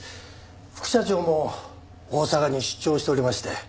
副社長も大阪に出張しておりまして。